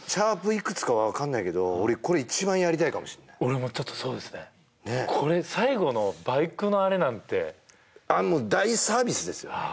いくつか分かんないけど俺これ一番やりたいかもしんない俺もちょっとそうですねねっこれ最後のバイクのあれなんてあっもう大サービスですよね